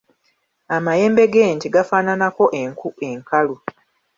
Amayembe g’ente gafaananako enku enkalu.